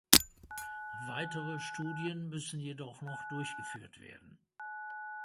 Weitere Studien müssen jedoch noch durchgeführt werden.